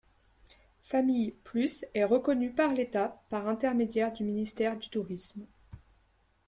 Famille Plus est reconnu par l'État par intermédiaire du ministère du Tourisme.